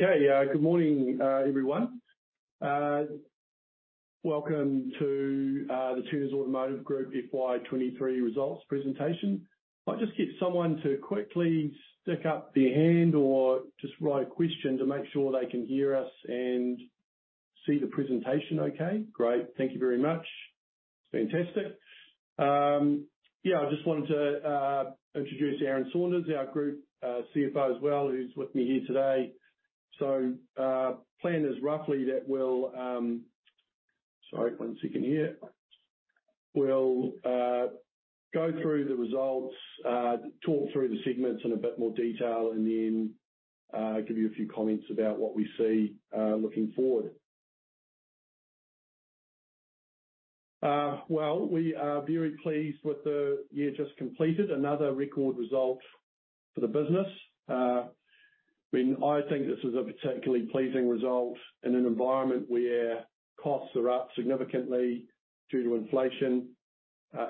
Okay. Good morning, everyone. Welcome to the Turners Automotive Group FY23 results presentation. If I just get someone to quickly stick up their hand or just write a question to make sure they can hear us and see the presentation okay. Great. Thank you very much. Fantastic. Yeah, I just wanted to introduce Aaron Saunders, our group CFO as well, who's with me here today. Plan is roughly that we'll... Sorry, one second here. We'll go through the results, talk through the segments in a bit more detail, and then give you a few comments about what we see looking forward. We are very pleased with the year just completed. Another record result for the business. I mean, I think this is a particularly pleasing result in an environment where costs are up significantly due to inflation.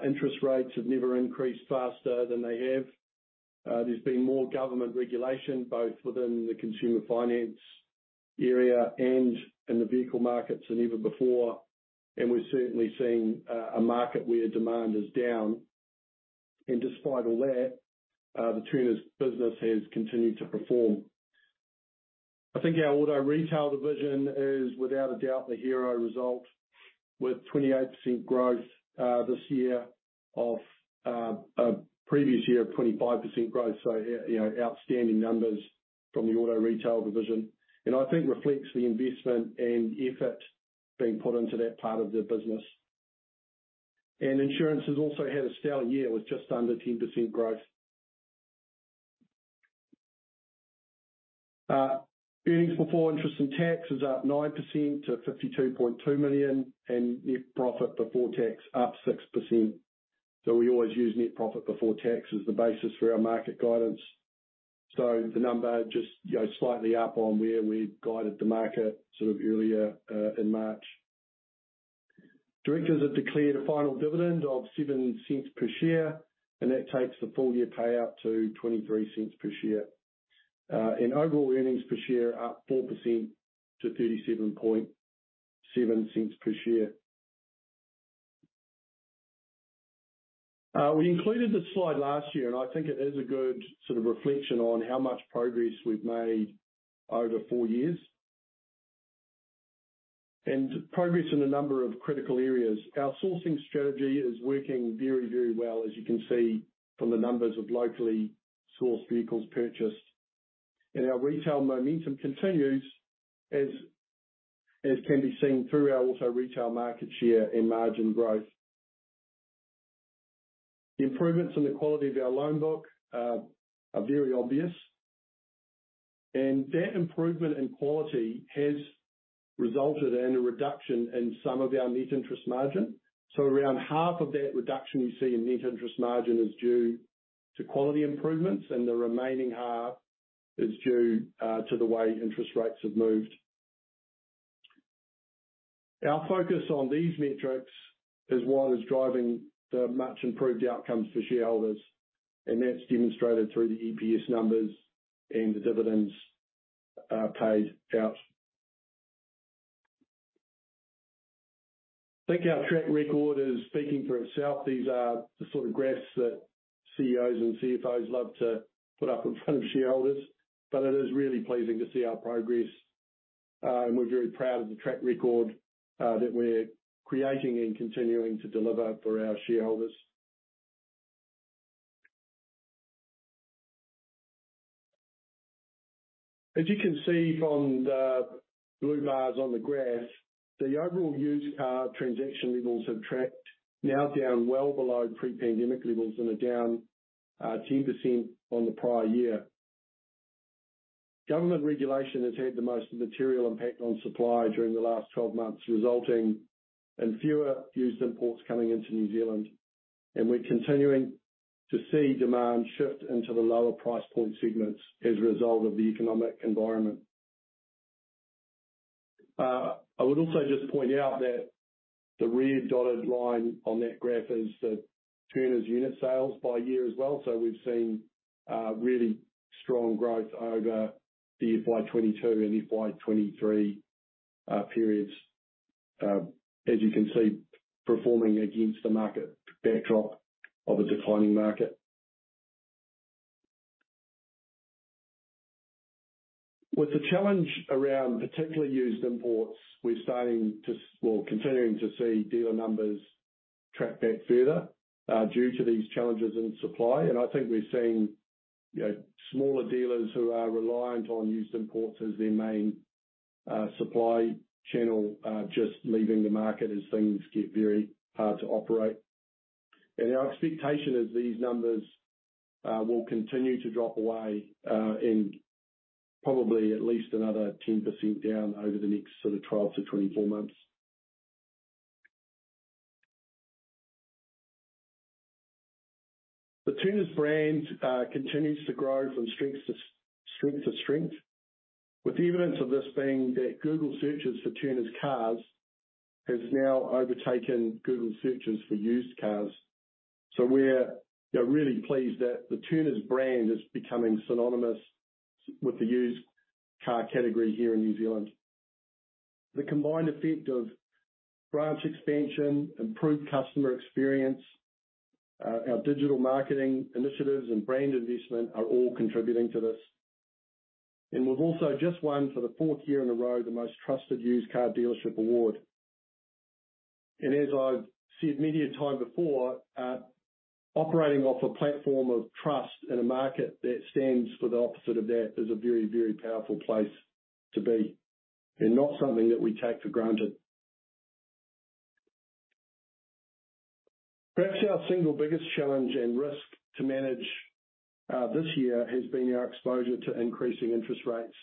Interest rates have never increased faster than they have. There's been more government regulation, both within the consumer finance area and in the vehicle markets than ever before, and we're certainly seeing a market where demand is down. Despite all that, the Turners business has continued to perform. I think our Turners Auto Retail division is without a doubt the hero result with 28% growth this year of a previous year of 25% growth. You know, outstanding numbers from the Turners Auto Retail division, and I think reflects the investment and effort being put into that part of the business. Insurance has also had a stellar year with just under 10% growth. Earnings before interest and tax is up 9% to 52.2 million. Net profit before tax up 6%. We always use net profit before tax as the basis for our market guidance. The number just, you know, slightly up on where we'd guided the market sort of earlier in March. Directors have declared a final dividend of 0.07 per share, that takes the full year payout to 0.23 per share. Overall earnings per share are up 4% to NZD 0.377 per share. We included this slide last year, I think it is a good sort of reflection on how much progress we've made over four years. Progress in a number of critical areas. Our sourcing strategy is working very, very well, as you can see from the numbers of locally sourced vehicles purchased. Our retail momentum continues, as can be seen through our Auto Retail market share and margin growth. The improvements in the quality of our loan book are very obvious, and that improvement in quality has resulted in a reduction in some of our net interest margin. Around half of that reduction you see in net interest margin is due to quality improvements, and the remaining half is due to the way interest rates have moved. Our focus on these metrics is what is driving the much improved outcomes for shareholders, and that's demonstrated through the EPS numbers and the dividends paid out. I think our track record is speaking for itself. These are the sort of graphs that CEOs and CFOs love to put up in front of shareholders. It is really pleasing to see our progress, and we're very proud of the track record that we're creating and continuing to deliver for our shareholders. As you can see from the blue bars on the graph, the overall used car transaction levels have tracked now down well below pre-pandemic levels and are down 10% on the prior year. Government regulation has had the most material impact on supply during the last 12 months, resulting in fewer used imports coming into New Zealand. We're continuing to see demand shift into the lower price point segments as a result of the economic environment. I would also just point out that the red dotted line on that graph is the Turners unit sales by year as well. We've seen really strong growth over the FY22 and FY23 periods, as you can see, performing against the market backdrop of a declining market. With the challenge around particularly used imports, we're continuing to see dealer numbers track back further due to these challenges in supply. I think we've seen, you know, smaller dealers who are reliant on used imports as their main supply channel, just leaving the market as things get very hard to operate. Our expectation is these numbers will continue to drop away, and probably at least another 10% down over the next sort of 12-24 months. The Turners brand continues to grow from strength to strength to strength, with evidence of this being that Google searches for Turners Cars has now overtaken Google searches for used cars. We're, you know, really pleased that the Turners brand is becoming synonymous with the used car category here in New Zealand. The combined effect of branch expansion, improved customer experience, our digital marketing initiatives, and brand investment are all contributing to this. We've also just won, for the fourth year in a row, the Most Trusted Used Car Dealership award. As I've said many a time before, operating off a platform of trust in a market that stands for the opposite of that is a very, very powerful place to be, and not something that we take for granted. Perhaps our single biggest challenge and risk to manage this year has been our exposure to increasing interest rates.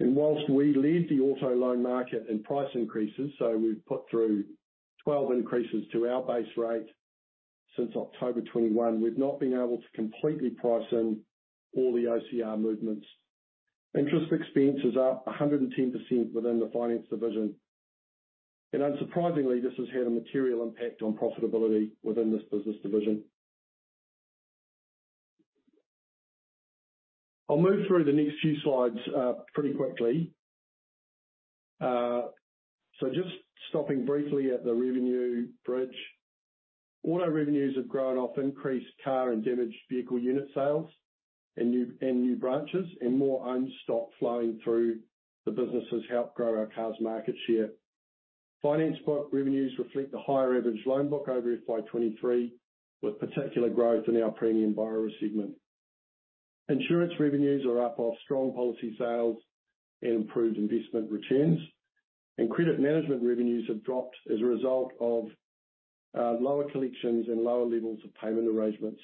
Whilst we lead the auto loan market in price increases, we've put through 12 increases to our base rate since October 2021, we've not been able to completely price in all the OCR movements. Interest expense is up 110% within the finance division. Unsurprisingly, this has had a material impact on profitability within this business division. I'll move through the next few slides pretty quickly. Just stopping briefly at the revenue bridge. Auto revenues have grown off increased car and damaged vehicle unit sales and new branches and more owned stock flowing through the business has helped grow our cars market share. Finance book revenues reflect the higher average loan book over FY23, with particular growth in our premium borrower segment. Insurance revenues are up off strong policy sales and improved investment returns. Credit management revenues have dropped as a result of lower collections and lower levels of payment arrangements.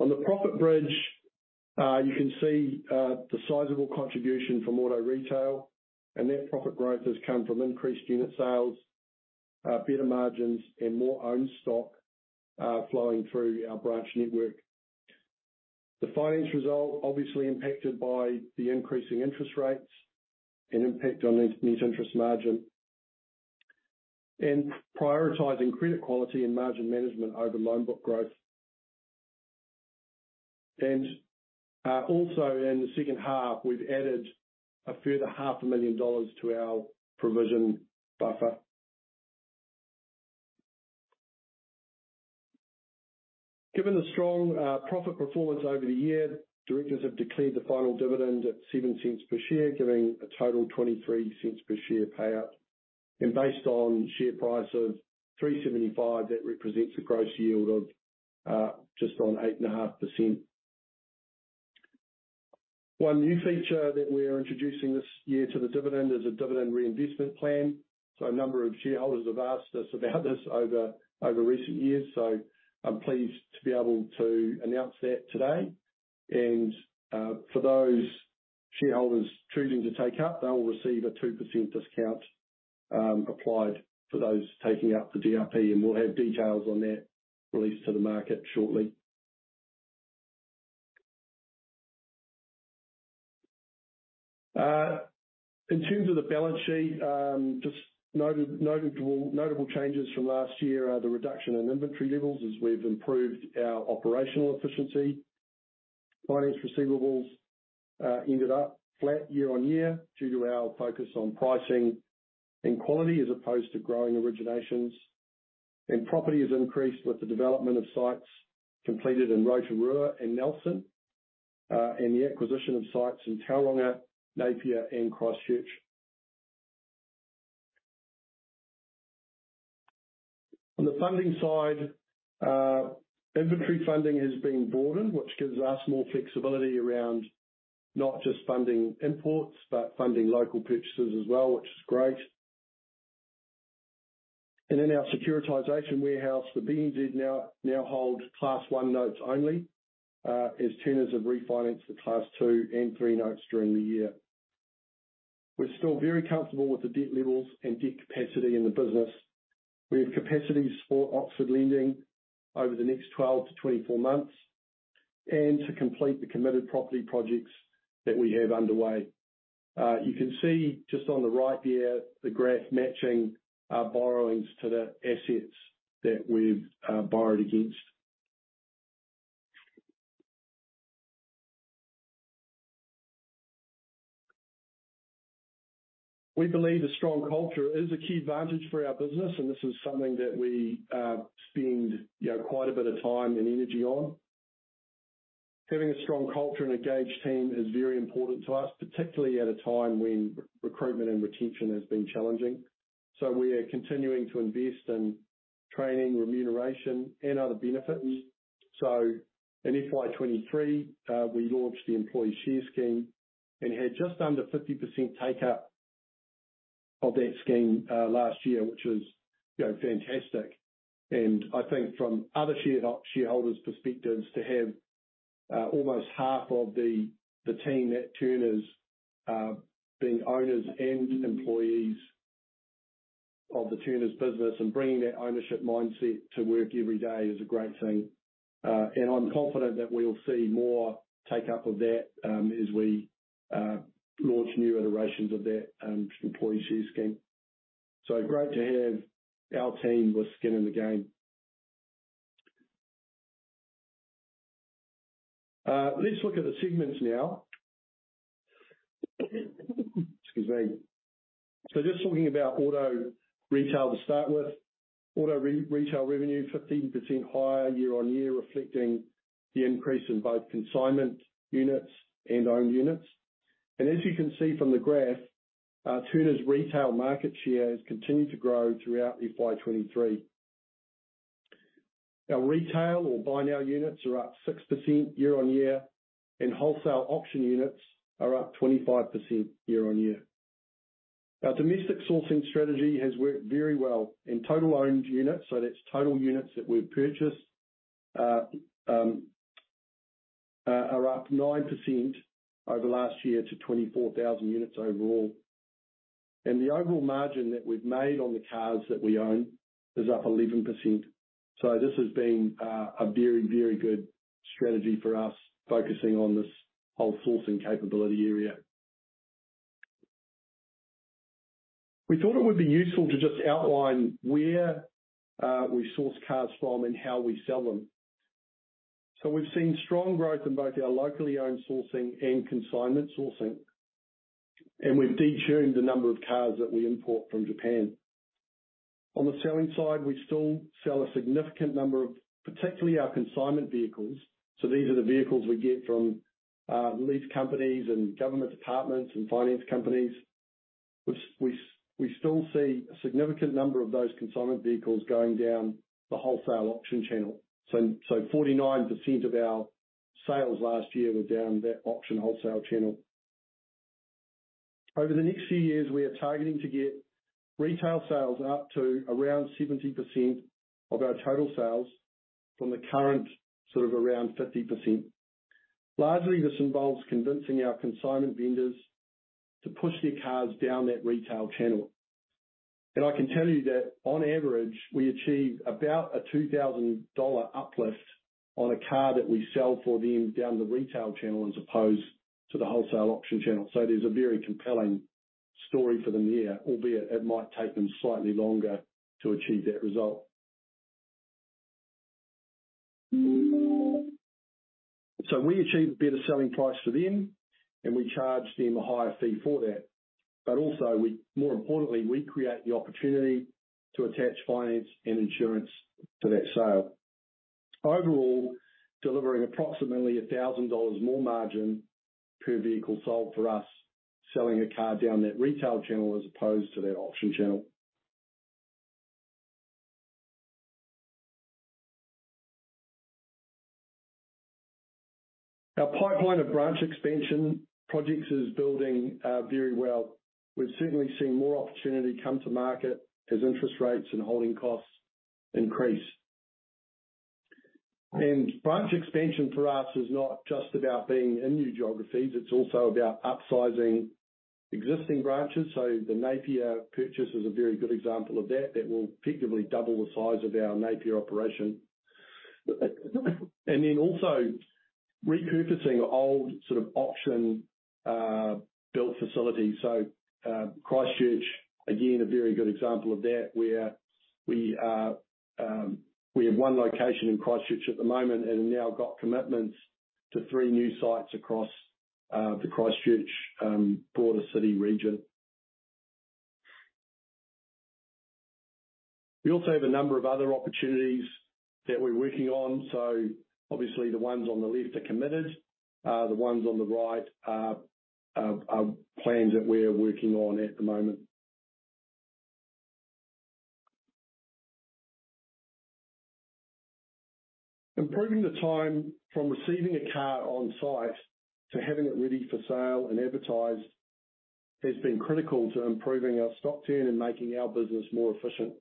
On the profit bridge, you can see the sizable contribution from Auto Retail, that profit growth has come from increased unit sales, better margins, and more owned stock flowing through our branch network. The finance result obviously impacted by the increasing interest rates and impact on net interest margin. Prioritizing credit quality and margin management over loan book growth. Also in the second half, we've added a further half a million dollars to our provision buffer. Given the strong profit performance over the year, directors have declared the final dividend at 0.07 per share, giving a total 0.23 per share payout. Based on share price of 3.75, that represents a gross yield of just on 8.5%. One new feature that we are introducing this year to the dividend is a dividend reinvestment plan. A number of shareholders have asked us about this over recent years, so I'm pleased to be able to announce that today. For those shareholders choosing to take up, they will receive a 2% discount applied for those taking up the DRP, and we'll have details on that released to the market shortly. In terms of the balance sheet, notable changes from last year are the reduction in inventory levels as we've improved our operational efficiency. Finance receivables ended up flat year on year due to our focus on pricing and quality as opposed to growing originations. Property has increased with the development of sites completed in Rotorua and Nelson, and the acquisition of sites in Tauranga, Napier, and Christchurch. On the funding side, inventory funding has been broadened, which gives us more flexibility around not just funding imports, but funding local purchases as well, which is great. In our securitization warehouse, the BNZ now hold Class One notes only, as Turners have refinanced the Class Two and Three notes during the year. We're still very comfortable with the debt levels and debt capacity in the business. We have capacities for Oxford lending over the next 12-24 months and to complete the committed property projects that we have underway. You can see just on the right there, the graph matching our borrowings to the assets that we've borrowed against. We believe a strong culture is a key advantage for our business, and this is something that we spend, you know, quite a bit of time and energy on. Having a strong culture and engaged team is very important to us, particularly at a time when recruitment and retention has been challenging. We are continuing to invest in training, remuneration, and other benefits. In FY23, we launched the employee share scheme and had just under 50% take up of that scheme last year, which is, you know, fantastic. I think from other shareholders' perspectives, to have almost half of the team at Turners being owners and employees of the Turners business and bringing that ownership mindset to work every day is a great thing. I'm confident that we'll see more take-up of that as we launch new iterations of that employee share scheme. Great to have our team with skin in the game. Let's look at the segments now. Excuse me. Just talking about Auto Retail to start with. Auto Retail revenue 15% higher year-on-year, reflecting the increase in both consignment units and owned units. As you can see from the graph, Turners' retail market share has continued to grow throughout FY23. Our retail or buy now units are up 6% year-on-year, and wholesale auction units are up 25% year-on-year. Our domestic sourcing strategy has worked very well in total owned units, so that's total units that we've purchased, are up 9% over last year to 24,000 units overall. The overall margin that we've made on the cars that we own is up 11%. This has been a very good strategy for us, focusing on this whole sourcing capability area. We thought it would be useful to just outline where we source cars from and how we sell them. We've seen strong growth in both our locally owned sourcing and consignment sourcing, and we've detuned the number of cars that we import from Japan. On the selling side, we still sell a significant number of particularly our consignment vehicles. These are the vehicles we get from lease companies and government departments and finance companies. We still see a significant number of those consignment vehicles going down the wholesale auction channel. 49% of our sales last year were down that auction wholesale channel. Over the next few years, we are targeting to get retail sales up to around 70% of our total sales from the current, sort of around 50%. Largely, this involves convincing our consignment vendors to push their cars down that retail channel. I can tell you that on average, we achieve about a 2,000 dollar uplift on a car that we sell for them down the retail channel as opposed to the wholesale auction channel. There's a very compelling story for them there, albeit it might take them slightly longer to achieve that result. We achieve a better selling price for them, and we charge them a higher fee for that. Also, more importantly, we create the opportunity to attach finance and insurance to that sale. Overall, delivering approximately 1,000 dollars more margin per vehicle sold for us, selling a car down that retail channel as opposed to that auction channel. Our pipeline of branch expansion projects is building very well. We've certainly seen more opportunity come to market as interest rates and holding costs increase. Branch expansion for us is not just about being in new geographies, it's also about upsizing existing branches. The Napier purchase is a very good example of that. That will effectively double the size of our Napier operation. Also repurposing old sort of auction built facilities. Christchurch, again, a very good example of that, where we are, we have one location in Christchurch at the moment and have now got commitments to three new sites across the Christchurch broader city region. We also have a number of other opportunities that we're working on. Obviously the ones on the left are committed. The ones on the right are plans that we're working on at the moment. Improving the time from receiving a car on site to having it ready for sale and advertised has been critical to improving our stock turn and making our business more efficient.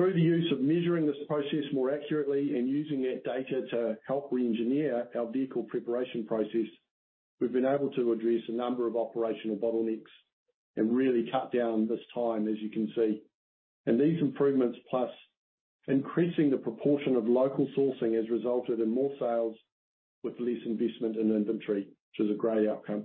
Through the use of measuring this process more accurately and using that data to help reengineer our vehicle preparation process, we've been able to address a number of operational bottlenecks and really cut down this time, as you can see. These improvements, plus increasing the proportion of local sourcing, has resulted in more sales with less investment in inventory, which is a great outcome.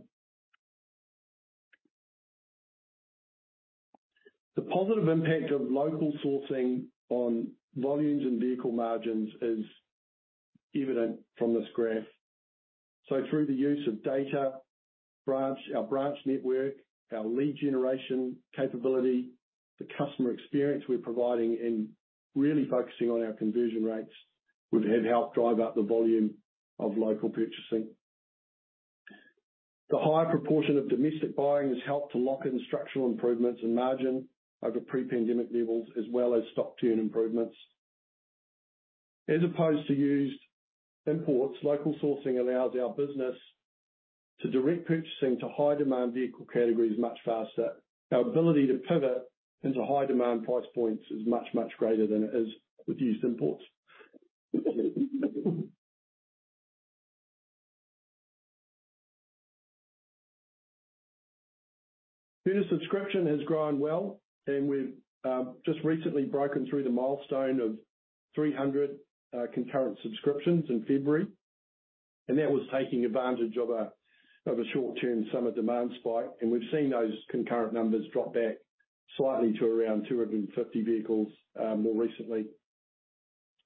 The positive impact of local sourcing on volumes and vehicle margins is evident from this graph. Through the use of data, branch, our branch network, our lead generation capability, the customer experience we're providing and really focusing on our conversion rates, we've had helped drive up the volume of local purchasing. The higher proportion of domestic buying has helped to lock in structural improvements and margin over pre-pandemic levels, as well as stock turn improvements. As opposed to used imports, local sourcing allows our business to direct purchasing to high-demand vehicle categories much faster. Our ability to pivot into high-demand price points is much, much greater than it is with used imports. Turners Subscription has grown well, and we've just recently broken through the milestone of 300 concurrent subscriptions in February. That was taking advantage of a short-term summer demand spike, and we've seen those concurrent numbers drop back slightly to around 250 vehicles more recently.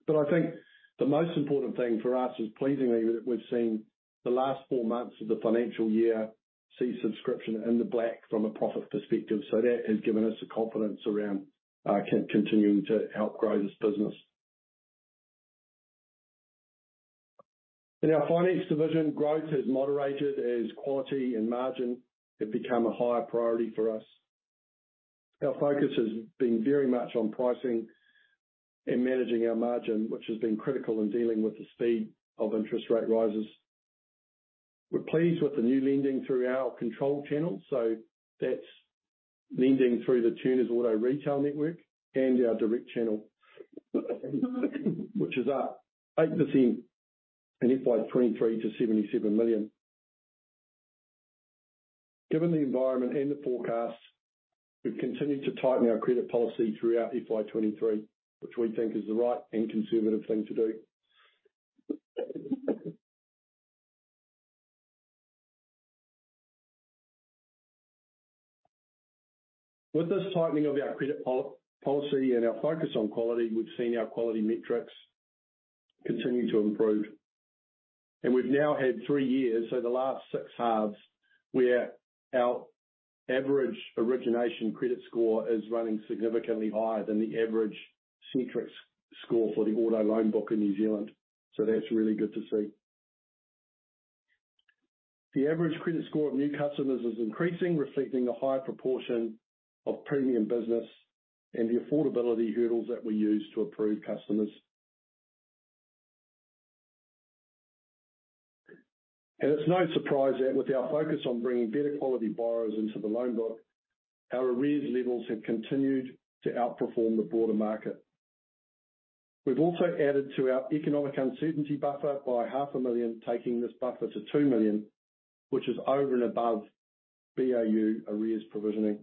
I think the most important thing for us is pleasingly that we've seen the last four months of the financial year see subscription in the black from a profit perspective. That has given us the confidence around continuing to help grow this business. In our finance division, growth has moderated as quality and margin have become a higher priority for us. Our focus has been very much on pricing and managing our margin, which has been critical in dealing with the speed of interest rate rises. We're pleased with the new lending through our control channel, so that's lending through the Turners Auto Retail network and our direct channel, which is up 8% in FY23 to 77 million. Given the environment and the forecasts, we've continued to tighten our credit policy throughout FY23, which we think is the right and conservative thing to do. With this tightening of our credit policy and our focus on quality, we've seen our quality metrics continue to improve. We've now had three years, so the last six halves, where our average origination credit score is running significantly higher than the average Centrix score for the auto loan book in New Zealand. That's really good to see. The average credit score of new customers is increasing, reflecting a higher proportion of premium business and the affordability hurdles that we use to approve customers. It's no surprise that with our focus on bringing better quality borrowers into the loan book, our arrears levels have continued to outperform the broader market. We've also added to our economic uncertainty buffer by 0.5 million, taking this buffer to 2 million, which is over and above BAU arrears provisioning.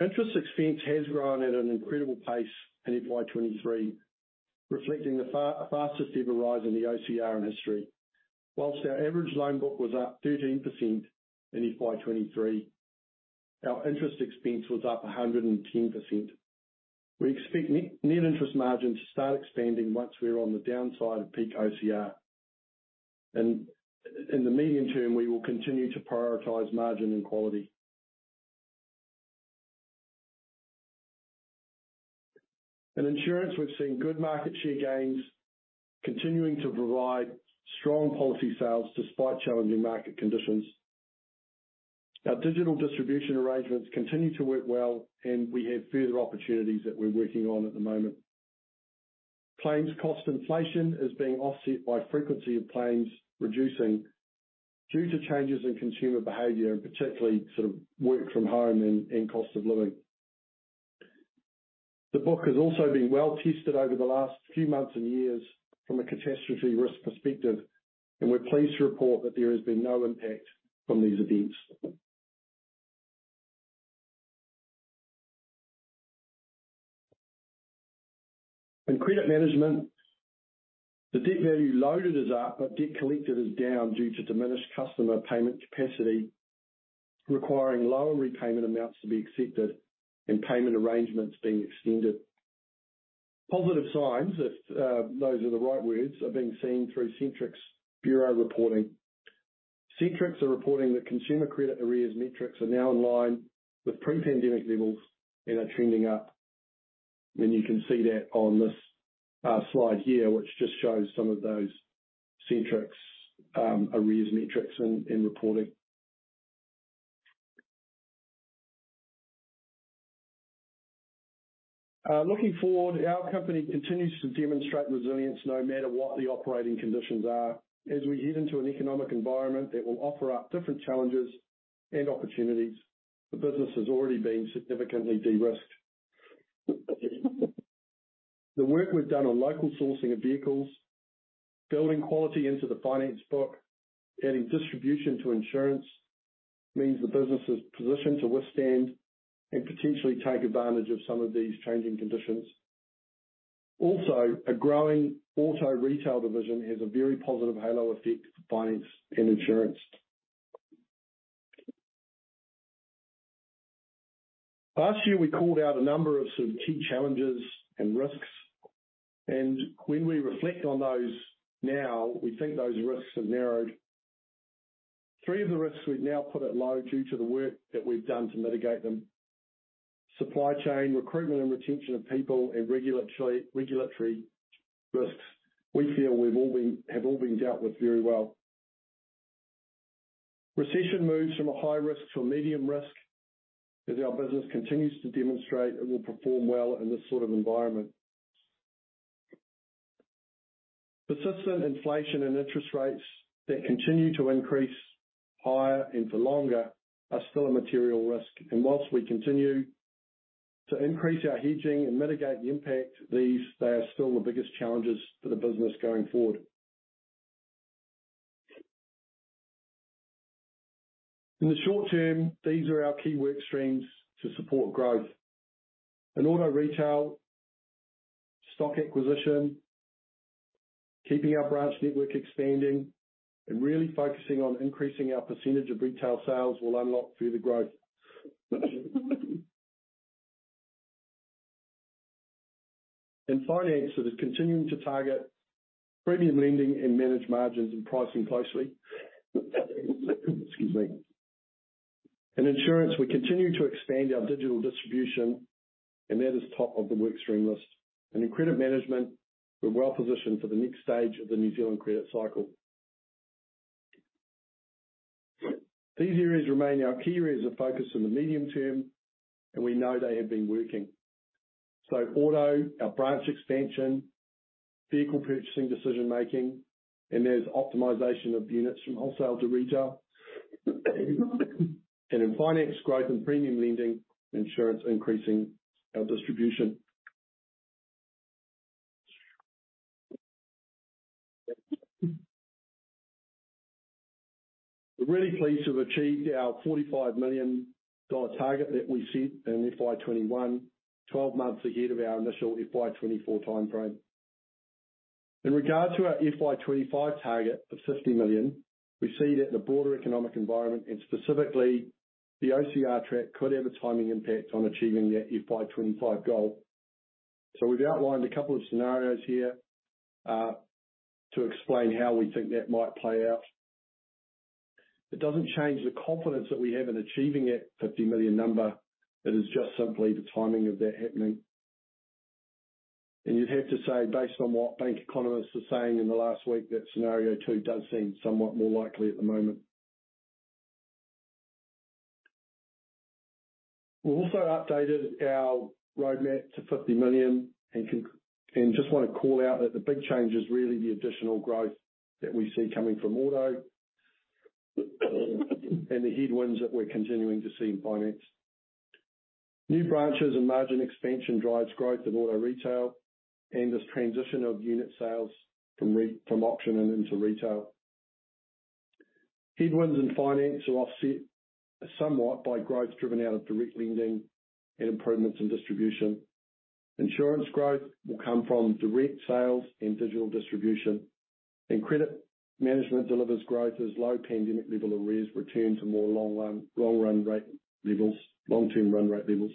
Interest expense has grown at an incredible pace in FY23, reflecting the fastest ever rise in the OCR in history. Whilst our average loan book was up 13% in FY23, our interest expense was up 110%. We expect net interest margin to start expanding once we're on the downside of peak OCR. In the medium term, we will continue to prioritize margin and quality. In insurance, we've seen good market share gains continuing to provide strong policy sales despite challenging market conditions. Our digital distribution arrangements continue to work well, and we have further opportunities that we're working on at the moment. Claims cost inflation is being offset by frequency of claims reducing due to changes in consumer behavior and particularly sort of work from home and cost of living. The book has also been well tested over the last few months and years from a catastrophe risk perspective, and we're pleased to report that there has been no impact from these events. In credit management, the debt value loaded is up, but debt collected is down due to diminished customer payment capacity, requiring lower repayment amounts to be accepted and payment arrangements being extended. Positive signs, if those are the right words, are being seen through Centrix bureau reporting. Centrix are reporting that consumer credit arrears metrics are now in line with pre-pandemic levels and are trending up, and you can see that on this slide here, which just shows some of those Centrix arrears metrics and reporting. Looking forward, our company continues to demonstrate resilience no matter what the operating conditions are. As we head into an economic environment that will offer up different challenges and opportunities, the business has already been significantly de-risked. The work we've done on local sourcing of vehicles, building quality into the finance book, adding distribution to insurance, means the business is positioned to withstand and potentially take advantage of some of these changing conditions. Also, a growing auto retail division has a very positive halo effect for finance and insurance. Last year, we called out a number of sort of key challenges and risks, and when we reflect on those now, we think those risks have narrowed. Three of the risks we've now put at low due to the work that we've done to mitigate them. Supply chain, recruitment and retention of people, and regulatory risks, we feel have all been dealt with very well. Recession moves from a high risk to a medium risk as our business continues to demonstrate it will perform well in this sort of environment. Persistent inflation and interest rates that continue to increase higher and for longer are still a material risk. Whilst we continue to increase our hedging and mitigate the impact, they are still the biggest challenges for the business going forward. In the short term, these are our key work streams to support growth. In Auto Retail, stock acquisition, keeping our branch network expanding, and really focusing on increasing our percentage of retail sales will unlock further growth. In Finance, it is continuing to target premium lending and manage margins and pricing closely. Excuse me. In Insurance, we continue to expand our digital distribution, and that is top of the work stream list. In Credit Management, we're well positioned for the next stage of the New Zealand credit cycle. These areas remain our key areas of focus in the medium term, and we know they have been working. Auto, our branch expansion, vehicle purchasing decision making, and there's optimization of units from wholesale to retail. In Finance, growth and premium lending. Insurance, increasing our distribution. We're really pleased to have achieved our 45 million dollar target that we set in FY21, 12 months ahead of our initial FY24 timeframe. In regards to our FY25 target of 50 million, we see that in the broader economic environment and specifically the OCR track could have a timing impact on achieving that FY25 goal. We've outlined a couple of scenarios here to explain how we think that might play out. It doesn't change the confidence that we have in achieving that 50 million number. It is just simply the timing of that happening. You'd have to say, based on what bank economists are saying in the last week, that scenario two does seem somewhat more likely at the moment. We've also updated our roadmap to 50 million and just want to call out that the big change is really the additional growth that we see coming from Auto and the headwinds that we're continuing to see in Finance. New branches and margin expansion drives growth of Auto Retail and this transition of unit sales from auction and into retail. Headwinds in Finance are offset somewhat by growth driven out of direct lending and improvements in distribution. Insurance growth will come from direct sales and digital distribution. Credit Management delivers growth as low pandemic level arrears return to more long-term run rate levels.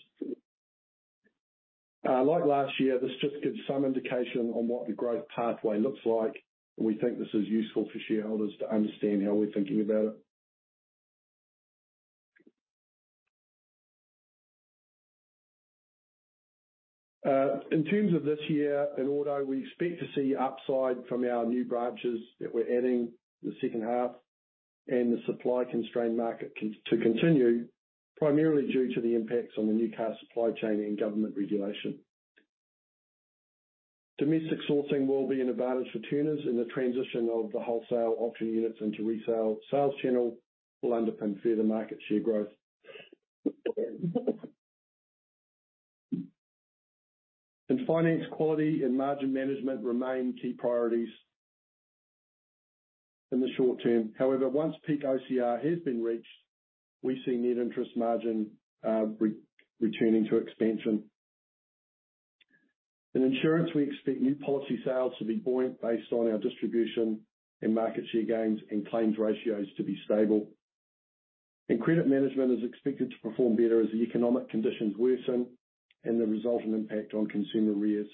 Like last year, this just gives some indication on what the growth pathway looks like. We think this is useful for shareholders to understand how we're thinking about it. In terms of this year, in Auto, we expect to see upside from our new branches that we're adding the second half and the supply constrained market to continue, primarily due to the impacts on the new car supply chain and government regulation. Domestic sourcing will be an advantage for Turners, and the transition of the wholesale auction units into resale sales channel will underpin further market share growth. In Finance, quality and margin management remain key priorities in the short term. However, once peak OCR has been reached, we see net interest margin re-returning to expansion. In Insurance, we expect new policy sales to be buoyant based on our distribution and market share gains and claims ratios to be stable. Credit Management is expected to perform better as the economic conditions worsen and the resultant impact on consumer arrears.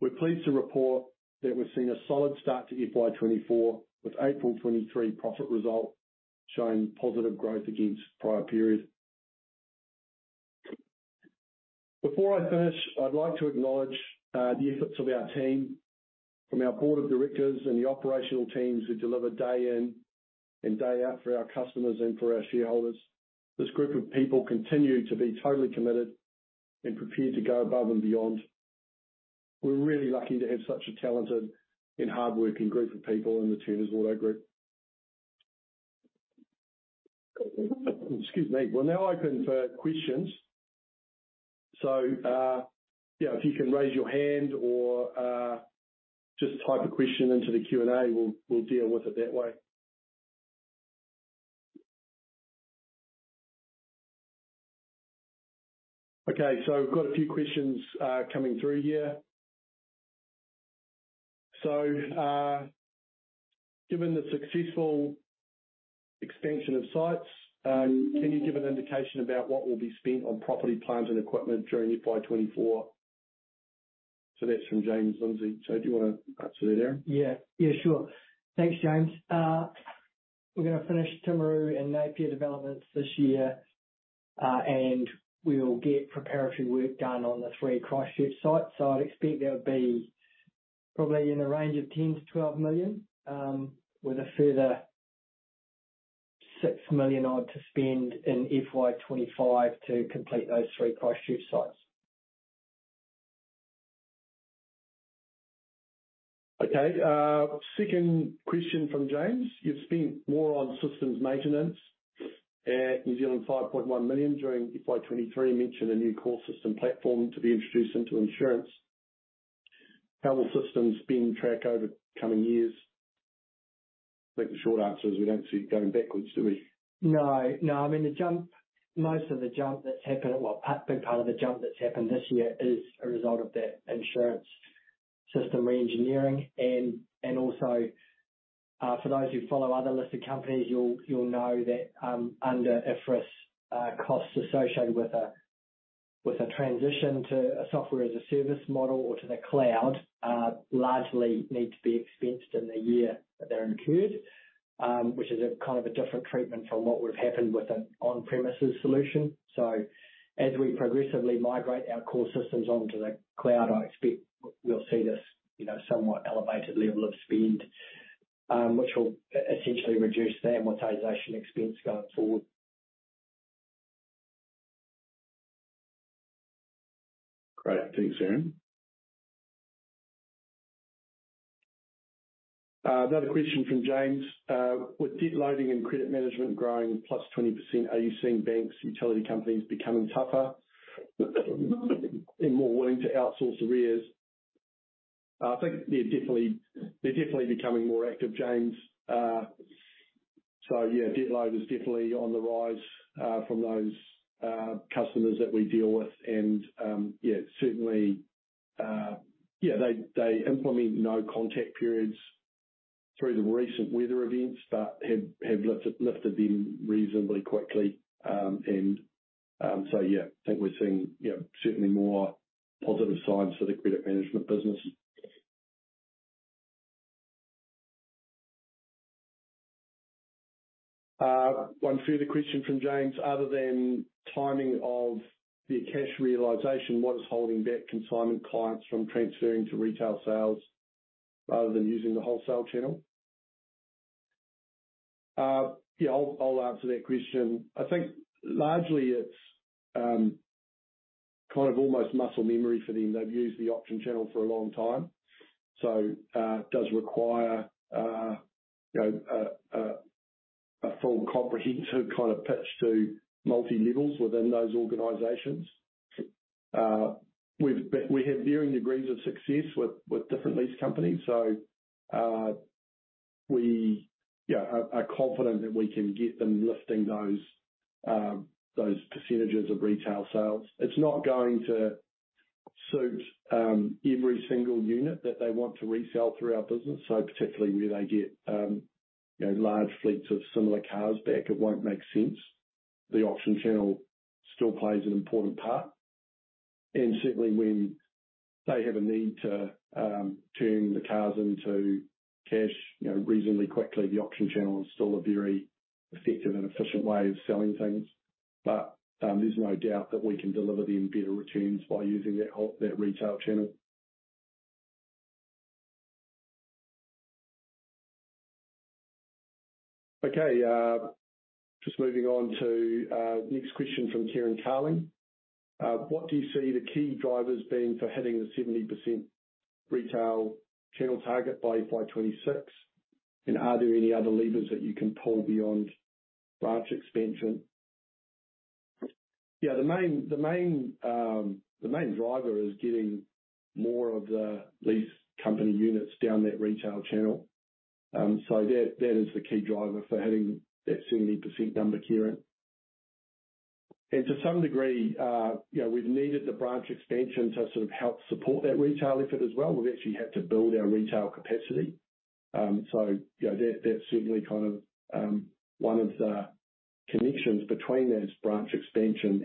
We're pleased to report that we're seeing a solid start to FY24, with April 2023 profit result showing positive growth against prior periods. Before I finish, I'd like to acknowledge the efforts of our team, from our board of directors and the operational teams who deliver day in and day out for our customers and for our shareholders. This group of people continue to be totally committed and prepared to go above and beyond. We're really lucky to have such a talented and hardworking group of people in the Turners Automotive Group. Excuse me. We're now open for questions. Yeah, if you can raise your hand or just type a question into the Q&A, we'll deal with it that way. Okay, I've got a few questions coming through here. Given the successful expansion of sites, can you give an indication about what will be spent on property, plant, and equipment during FY24? That's from James Lindsay. Do you wanna answer that, Aaron? Yeah, yeah, sure. Thanks, James. We're gonna finish Timaru and Napier developments this year, and we'll get preparatory work done on the three Christchurch sites. I'd expect that would be probably in the range of 10 million-12 million, with a further 6 million odd to spend in FY25 to complete those three Christchurch sites. Okay, second question from James. You've spent more on systems maintenance at 5.1 million during FY23, mentioned a new core system platform to be introduced into insurance. How will systems spend track over coming years? I think the short answer is we don't see it going backwards, do we? No. No. I mean, most of the jump that's happened. Well, big part of the jump that's happened this year is a result of that insurance system re-engineering and also, for those who follow other listed companies, you'll know that, under IFRS, costs associated with a transition to a software as a service model or to the cloud, largely need to be expensed in the year that they're incurred. Which is a kind of a different treatment from what would've happened with an on-premises solution. As we progressively migrate our core systems onto the cloud, I expect we'll see this, you know, somewhat elevated level of spend, which will essentially reduce the amortization expense going forward. Great. Thanks, Aaron. Another question from James. With debt loading and credit management growing plus 20%, are you seeing banks, utility companies becoming tougher and more willing to outsource arrears? I think they're definitely becoming more active, James. Yeah, debt load is definitely on the rise from those customers that we deal with and, certainly, they implement no contact periods through the recent weather events, but have lifted them reasonably quickly. I think we're seeing certainly more positive signs for the credit management business. One further question from James. Other than timing of the cash realization, what is holding back consignment clients from transferring to retail sales rather than using the wholesale channel? Yeah, I'll answer that question. I think largely it's kind of almost muscle memory for them. They've used the auction channel for a long time, so does require, you know, a full comprehensive kind of pitch to multi-levels within those organizations. We have varying degrees of success with different lease companies. We, yeah, are confident that we can get them lifting those percentages of retail sales. It's not going to suit every single unit that they want to resell through our business. Particularly where they get, you know, large fleets of similar cars back, it won't make sense. The auction channel still plays an important part, and certainly when they have a need to turn the cars into cash, you know, reasonably quickly, the auction channel is still a very effective and efficient way of selling things. There's no doubt that we can deliver them better returns by using that retail channel. Okay, just moving on to next question from Kieran Carling. What do you see the key drivers being for hitting the 70% retail channel target by FY26? Are there any other levers that you can pull beyond branch expansion? Yeah. The main driver is getting more of the lease company units down that retail channel. That is the key driver for hitting that 70% number, Kieran. To some degree, you know, we've needed the branch expansion to sort of help support that retail effort as well. We've actually had to build our retail capacity. You know, that's certainly kind of one of the connections between that is branch expansion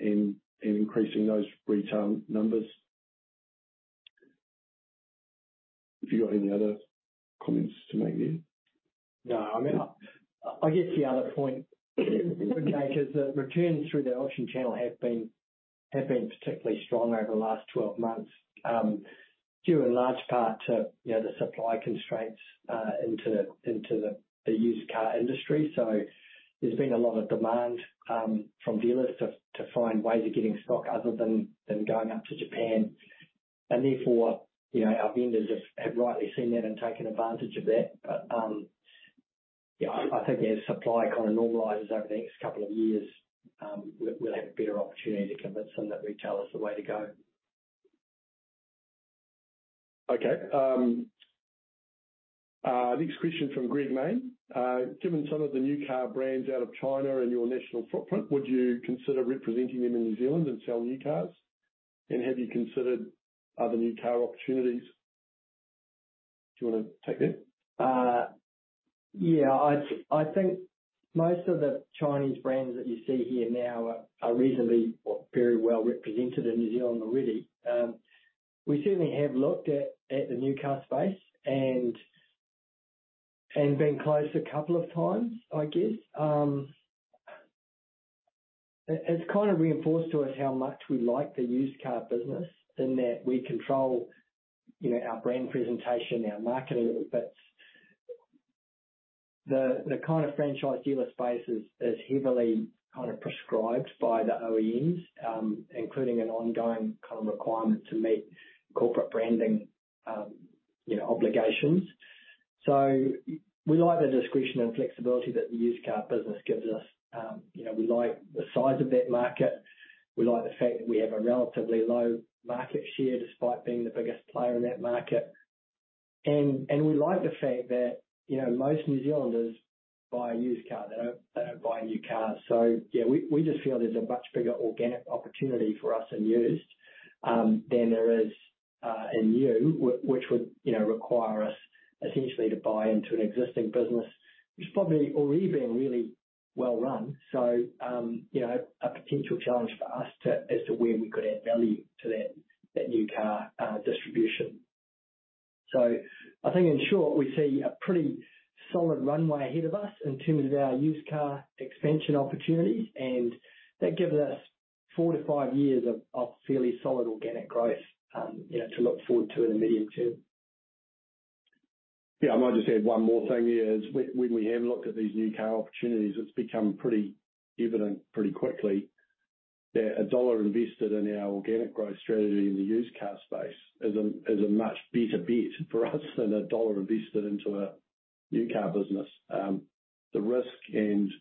and increasing those retail numbers. Have you got any other comments to make there? No, I mean, I guess the other point would make is that returns through the auction channel have been particularly strong over the last 12 months, due in large part to, you know, the supply constraints into the used car industry. There's been a lot of demand from dealers to find ways of getting stock other than going up to Japan. Therefore, you know, our vendors have rightly seen that and taken advantage of that. Yeah, I think as supply kind of normalizes over the next couple of years, we'll have a better opportunity to convince them that retail is the way to go. Okay. next question from Greg Foran. given some of the new car brands out of China and your national footprint, would you consider representing them in New Zealand and sell new cars? Have you considered other new car opportunities? Do you wanna take that? Yeah. I think most of the Chinese brands that you see here now are reasonably or very well represented in New Zealand already. We certainly have looked at the new car space and been close a couple of times, I guess. It's kind of reinforced to us how much we like the used car business in that we control, you know, our brand presentation, our marketing bits. The kind of franchise dealer space is heavily kind of prescribed by the OEMs, including an ongoing kind of requirement to meet corporate branding, you know, obligations. So we like the discretion and flexibility that the used car business gives us. You know, we like the size of that market. We like the fact that we have a relatively low market share despite being the biggest player in that market. We like the fact that, you know, most New Zealanders buy a used car. They don't buy a new car. Yeah, we just feel there's a much bigger organic opportunity for us in used than there is in new which would, you know, require us essentially to buy into an existing business, which is probably already being really well run. You know, a potential challenge for us as to where we could add value to that new car distribution. I think in short, we see a pretty solid runway ahead of us in terms of our used car expansion opportunities, and that gives us four-five years of fairly solid organic growth, you know, to look forward to in the medium term. Yeah. I might just add one more thing here is when we have looked at these new car opportunities, it's become pretty evident pretty quickly that a NZD invested in our organic growth strategy in the used car space is a much better bet for us than a NZD invested into a new car business. The risk and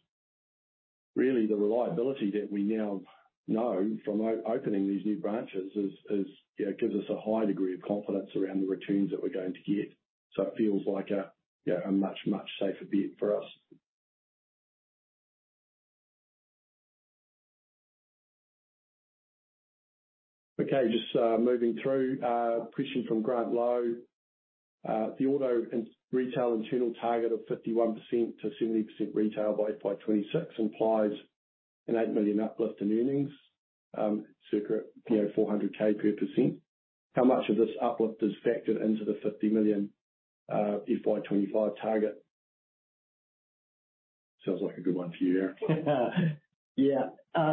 really the reliability that we now know from opening these new branches is, you know, gives us a high degree of confidence around the returns that we're going to get. It feels like a, you know, a much safer bet for us. Okay, just moving through. A question from Grant Lowe. The auto and retail internal target of 51%-70% retail by FY26 implies an 8 million uplift in earnings, circa, you know, 400K per percent. How much of this uplift is factored into the 50 million FY25 target? Sounds like a good one for you, Aaron.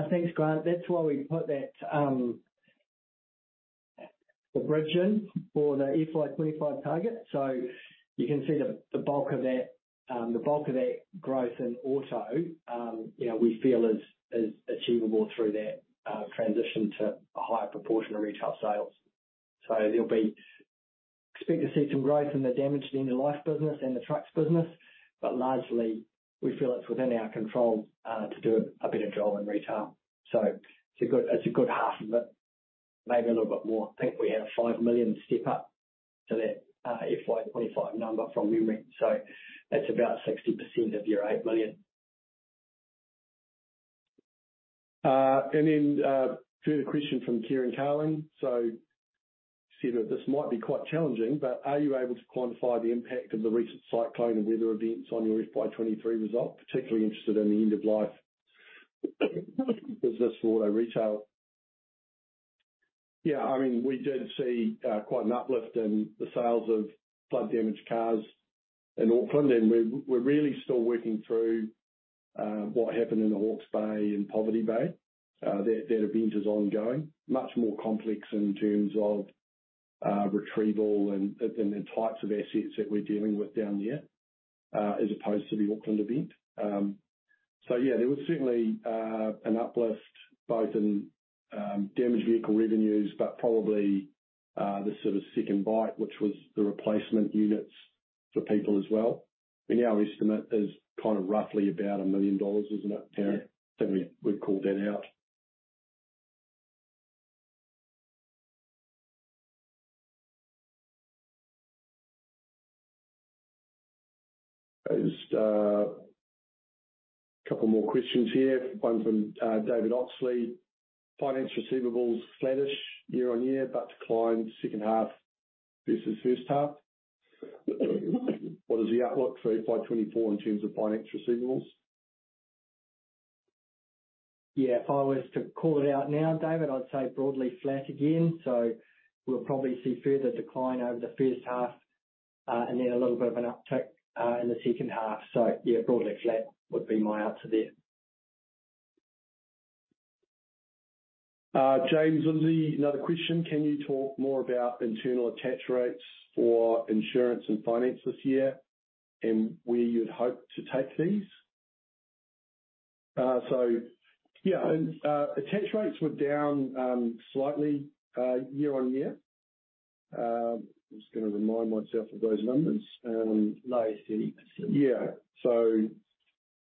Thanks, Grant. That's why we put that, the bridge in for the FY25 target. You can see the bulk of that, the bulk of that growth in auto, you know, we feel is achievable through that, transition to a higher proportion of retail sales. Expect to see some growth in the damage to the end of life business and the trucks business, but largely we feel it's within our control, to do a better job in retail. It's a good, it's a good half of it, maybe a little bit more. I think we had a 5 million step up to that, FY25 number from memory. That's about 60% of your NZD 8 million. Further question from Kieran Carling. Said that this might be quite challenging, but are you able to quantify the impact of the recent cyclone and weather events on your FY23 result, particularly interested in the end of life business for auto retail? Yeah, I mean, we did see quite an uplift in the sales of flood damaged cars in Auckland, and we're really still working through what happened in the Hawke's Bay and Poverty Bay. That event is ongoing. Much more complex in terms of retrieval and the types of assets that we're dealing with down there, as opposed to the Auckland event. Yeah, there was certainly an uplift both in damaged vehicle revenues, but probably the sort of second bite, which was the replacement units for people as well. I mean, our estimate is kind of roughly about 1 million dollars, isn't it, Aaron? Yeah. We've called that out. Just a couple more questions here. One from David Oxley. Finance receivables flattish year-on-year, but declined second half versus first half. What is the outlook for FY24 in terms of finance receivables? Yeah. If I was to call it out now, David, I'd say broadly flat again. We'll probably see further decline over the first half, and then a little bit of an uptick in the second half. Yeah, broadly flat would be my answer there. James Lindsay, another question. Can you talk more about internal attach rates for insurance and finance this year and where you'd hope to take these? Yeah, attach rates were down, slightly, year on year. I'm just gonna remind myself of those numbers. Low thirties. So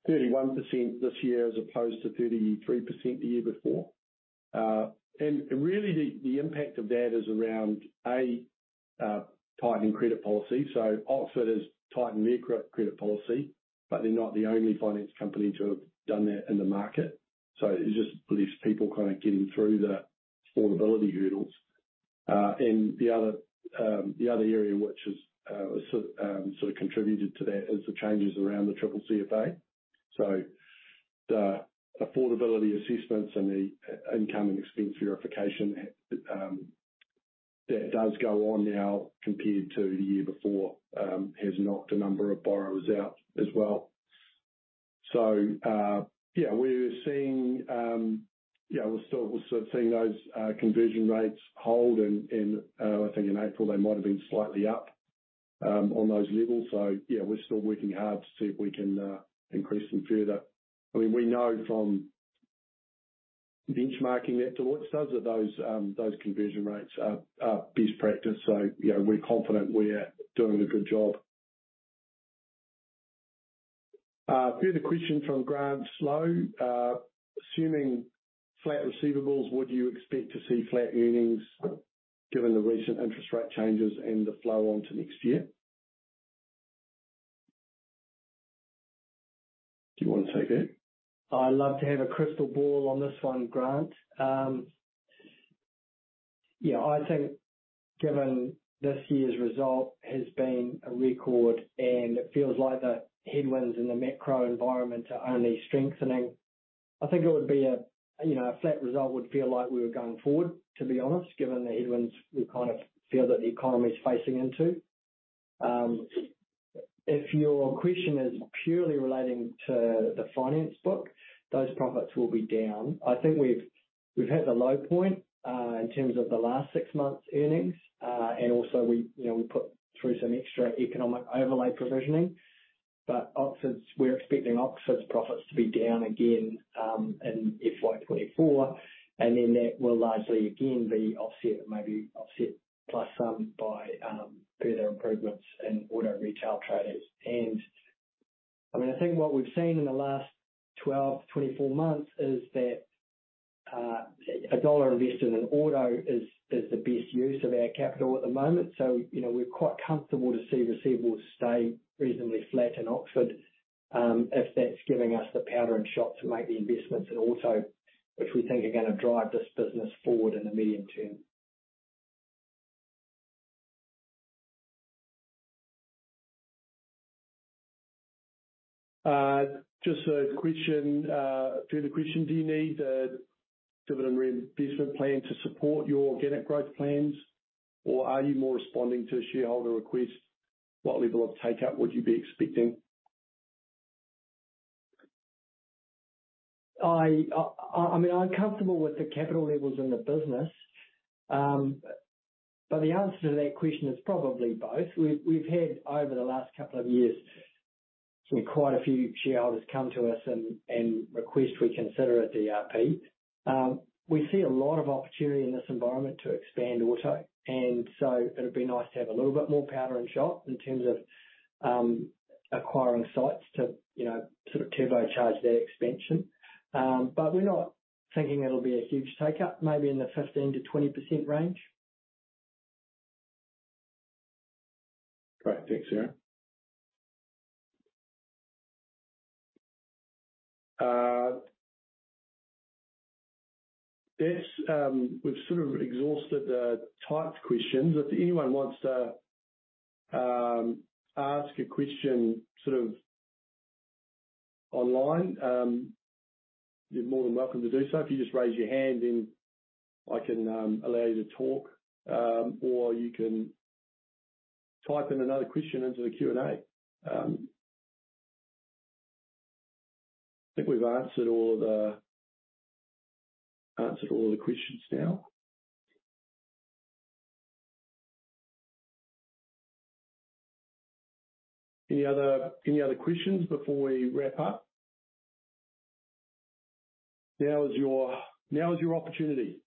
31% this year as opposed to 33% the year before. And really the impact of that is around, A, tightening credit policy. Oxford has tightened their credit policy, but they're not the only finance company to have done that in the market. It's just beliefs, people kind of getting through the affordability hurdles. And the other, the other area which has sort of contributed to that is the changes around the CCCFA. So the affordability assessments and the income and expense verification that does go on now compared to the year before, has knocked a number of borrowers out as well. Yeah, we're seeing, yeah, we're sort of seeing those conversion rates hold in, I think in April they might have been slightly up on those levels. Yeah, we're still working hard to see if we can increase them further. I mean, we know from benchmarking that those conversion rates are best practice. You know, we're confident we're doing a good job. Further question from Grant Lowe. Assuming flat receivables, would you expect to see flat earnings given the recent interest rate changes and the flow on to next year? Do you want to take that? I'd love to have a crystal ball on this one, Grant. Yeah, I think given this year's result has been a record, and it feels like the headwinds in the macro environment are only strengthening. I think it would be a, you know, a flat result would feel like we were going forward, to be honest, given the headwinds we kind of feel that the economy is facing into. If your question is purely relating to the finance book, those profits will be down. I think we've hit the low point, in terms of the last six months' earnings. Also we, you know, we put through some extra economic overlay provisioning, but we're expecting Oxford profits to be down again, in FY24. That will largely again be offset, maybe offset plus some by, further improvements in auto retail trade. I mean, I think what we've seen in the last 12-24 months is that, a dollar invested in auto is the best use of our capital at the moment. You know, we're quite comfortable to see receivables stay reasonably flat in Oxford, if that's giving us the powder and shot to make the investments in auto, which we think are gonna drive this business forward in the medium term. Just a question. Further question. Do you need a dividend reinvestment plan to support your organic growth plans, or are you more responding to shareholder requests? What level of take-up would you be expecting? I mean, I'm comfortable with the capital levels in the business. The answer to that question is probably both. We've had over the last couple of years, quite a few shareholders come to us and request we consider a DRP. We see a lot of opportunity in this environment to expand auto, it'd be nice to have a little bit more powder and shot in terms of acquiring sites to, you know, sort of turbocharge that expansion. We're not thinking it'll be a huge take up. Maybe in the 15%-20% range. Great. Thanks, Aaron. That's, we've sort of exhausted the typed questions. If anyone wants to ask a question sort of online, you're more than welcome to do so. If you just raise your hand, then I can allow you to talk, or you can type in another question into the Q&A. I think we've answered all the questions now. Any other questions before we wrap up? Now is your opportunity.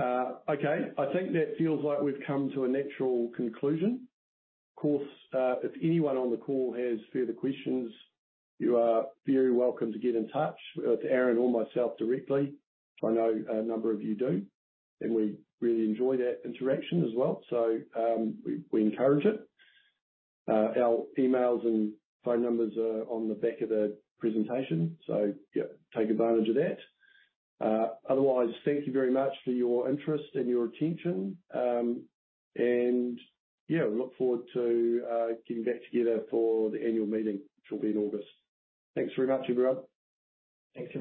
Okay. I think that feels like we've come to a natural conclusion. Of course, if anyone on the call has further questions, you are very welcome to get in touch with Aaron or myself directly. I know a number of you do, and we really enjoy that interaction as well. We encourage it. Our emails and phone numbers are on the back of the presentation, yeah, take advantage of that. Otherwise, thank you very much for your interest and your attention. Yeah, we look forward to getting back together for the annual meeting, which will be in August. Thanks very much, everyone. Thanks, everyone.